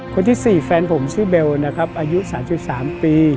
คนที่สี่แฟนผมชื่อเบลอายุ๓๓ปี